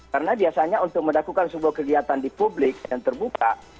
karena biasanya untuk mendakukan sebuah kegiatan di publik yang terbuka